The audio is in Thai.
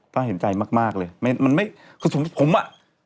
ฝ่ายเห็นใจมากเลยมันไม่ผมอ่ะ